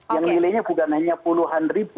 yang nilainya bukan hanya puluhan ribu